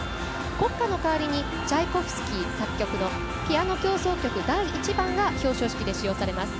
国歌の代わりにチャイコフスキー作曲の「ピアノ協奏曲第１番」が表彰式で使用されます。